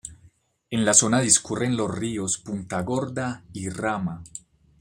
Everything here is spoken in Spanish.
En la zona discurren los ríos Punta Gorda y Rama.